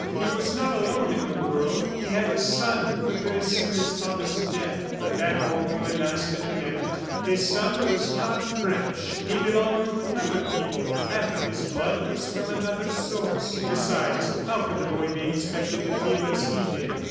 He was not alone in the world; he had a son who could assume his father's debt ... but that hope only lasted a minute. His son was not French; he belonged to another people; half of his blood was from another source. Besides, how could the boy be expected to feel as he did?